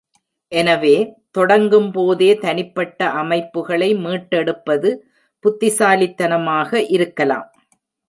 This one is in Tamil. எனவே, தொடங்கும்போதே தனிப்பட்ட அமைப்புகளை மீட்டெடுப்பது புத்திசாலித்தனமாக இருக்கலாம்.